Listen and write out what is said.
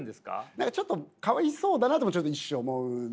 何かちょっとかわいそうだなともちょっと一瞬思うんですよ。